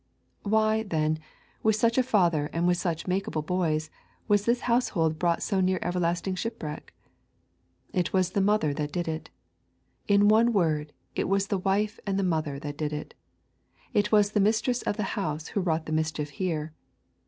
Why, then, with such a father and with such makable boys, why was this household brought so near everlasting shipwreck? It was the mother that did it. In one word, it was the wife and the mother that did it. It was the mistress of the house who wrought the mischief here.